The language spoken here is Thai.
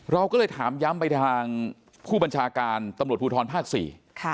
เราก็เลยถามย้ำไปทางผู้บัญชาการตำรวจภูทรภาคสี่ค่ะ